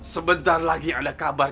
sebentar lagi ada kabar